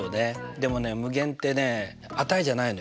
でもね無限ってね値じゃないのよ。